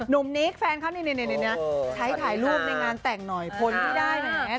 นุ่มนิคแฟนเค้านี่ใช้ถ่ายรูปในงานแต่งหน่อยพ้นได้ไหน